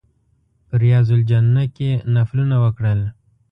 په ریاض الجنه کې نفلونه وکړل.